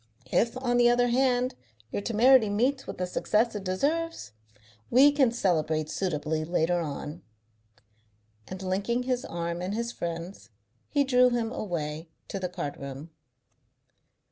If, on the other hand, your temerity meets with the success it deserves, we can celebrate suitably later on." And, linking his arm in his friend's, he drew him away to the card room.